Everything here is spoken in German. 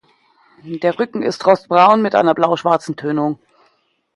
Der Rücken ist rostbraun mit einer blauschwarzen Tönung.